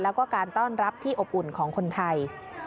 แล้วก็การต้อนรับที่อบอุ่นของคนไทย